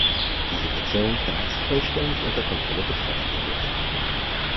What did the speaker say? Die Situation kann als vollständig unter Kontrolle betrachtet werden.